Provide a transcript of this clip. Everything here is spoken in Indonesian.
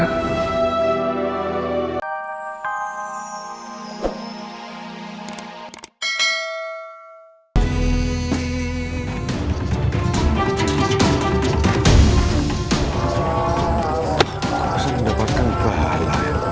kau bisa mendapatkan pahala